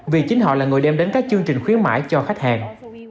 vì chính họ là người đem đến các chương trình khuyến mãi cho khách hàng